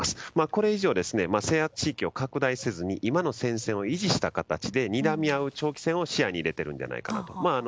これ以上、制圧地域を拡大せずに今の戦線を維持した形でにらみ合う長期戦を視野に入れてるんじゃないかと。